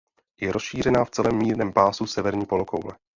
Je rozšířena v celém mírném pásu severní polokoule.